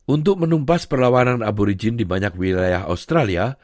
untuk menumpas perlawanan aborigin di banyak wilayah australia